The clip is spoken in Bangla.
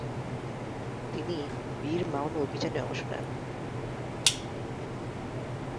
তিনি বির মা'উনা অভিযানে অংশ নেন।